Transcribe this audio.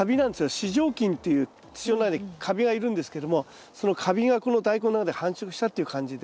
糸状菌っていう土の中にカビがいるんですけどもそのカビがこのダイコンの中で繁殖したっていう感じで。